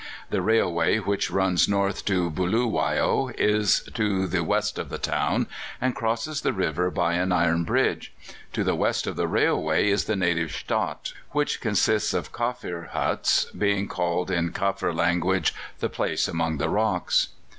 The railway, which runs north to Buluwayo, is to the west of the town, and crosses the river by an iron bridge. To the west of the railway is the native stadt, which consists of Kaffir huts, being called in Kaffir language "The Place Among the Rocks."